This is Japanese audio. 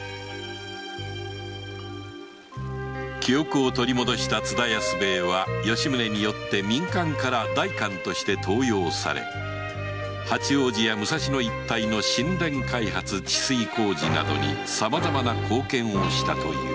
記憶を取り戻した津田安兵衛は吉宗によって民間から代官として登用され八王子や武蔵野一帯の新田開発治水工事などにさまざまな貢献をしたという